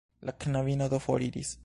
La knabino do foriris.